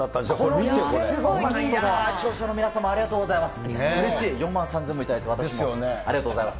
視聴者の皆様、ありがとうございます。